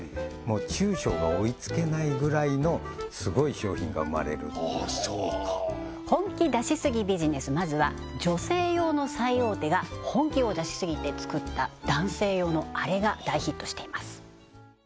中小が追いつけないぐらいのすごい商品が生まれるああそうかまずは女性用の最大手が本気を出しすぎて作った男性用のアレが大ヒットしています